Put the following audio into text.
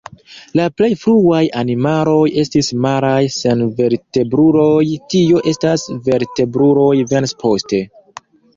La plej fruaj animaloj estis maraj senvertebruloj, tio estas, vertebruloj venis poste.